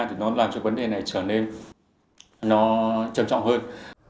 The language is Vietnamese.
thì nó làm cho vấn đề này trở nên nó trầm trọng hơn